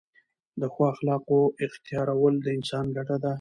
د ښو اخلاقو احتیارول د انسان ګټه ده.